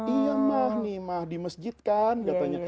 iya mah nih mah di masjid kan katanya